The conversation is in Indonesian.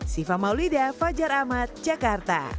siva maulida fajar ahmad jakarta